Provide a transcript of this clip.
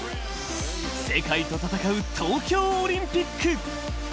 世界と戦う東京オリンピック。